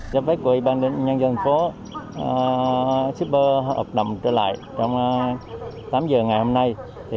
giáp vết của ủy ban nhân dân thành phố shipper hoạt động trở lại trong tám giờ ngày hôm nay